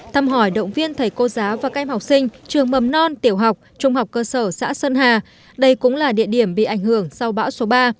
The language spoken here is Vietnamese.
tâm hỏi động viên thầy cô giáo và các em học sinh trường mầm non tiểu học trung học cơ sở xã sơn hà đây cũng là địa điểm bị ảnh hưởng sau bão số ba